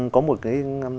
có một cái